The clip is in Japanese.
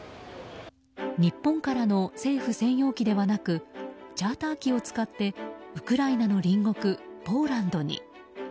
日本からの政府専用機ではなくチャーター機を使ってウクライナの隣国ポーランドに。